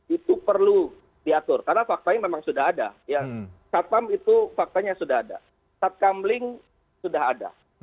itu perlu diatur karena faktanya memang sudah ada satpam itu faktanya sudah ada satkambling sudah ada